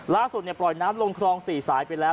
ปล่อยน้ำลงครอง๔สายไปแล้ว